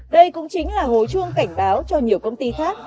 đây cũng chính là hố chuông cảnh báo cho nhiều công ty khác